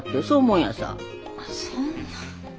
そんな。